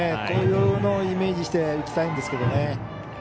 こういうのをイメージして打ちたいんですけどね。